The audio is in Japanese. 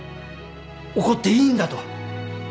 怒っていいんだと。